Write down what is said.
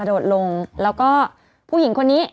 โดดลงแล้วก็ผู้หญิงคนนี้